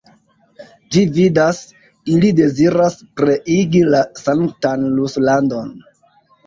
Vi vidas, ili deziras pereigi la sanktan Ruslandon!